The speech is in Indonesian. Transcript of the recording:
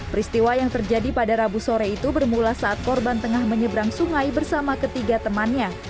peristiwa yang terjadi pada rabu sore itu bermula saat korban tengah menyeberang sungai bersama ketiga temannya